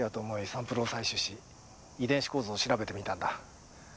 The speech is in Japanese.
サンプルを採取し遺伝子構造を調べてみたんだ。